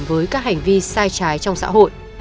với các hành vi sai trái trong xã hội